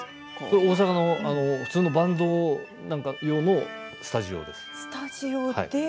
大阪の普通のバンド用のスタジオです。